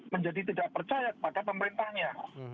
menjadi tidak percaya kepada pemerintahnya